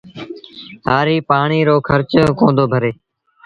هآريٚ پآڻي رو کرچ ڪوندو ڀري